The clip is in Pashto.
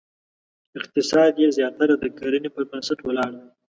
اقتصاد یې زیاتره د کرنې پر بنسټ ولاړ دی.